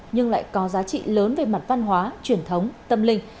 nhưng lại có giá trị lớn về mặt văn hóa truyền thống tâm linh